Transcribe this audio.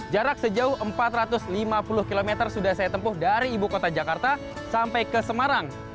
jarak sejauh empat ratus lima puluh km sudah saya tempuh dari ibu kota jakarta sampai ke semarang